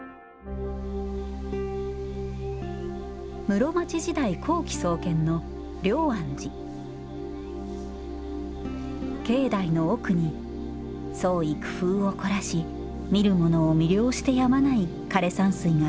室町時代後期創建の境内の奥に創意工夫を凝らし見る者を魅了してやまない枯山水があります